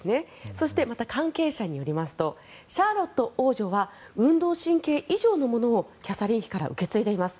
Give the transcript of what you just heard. そして、関係者によりますとシャーロット王女は運動神経以上のものをキャサリン妃から受け継いでいます。